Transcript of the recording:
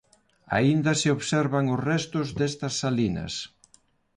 Aínda se observan os restos destas salinas.